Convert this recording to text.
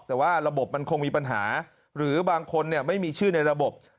แต่ว่าระบบมันคงมีปัญหาหรือบางคนไม่มีชื่อในระบบ